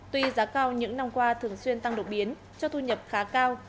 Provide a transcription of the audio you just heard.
tuy giá cao những năm qua thường xuyên tăng đột biến cho thu nhập khá cao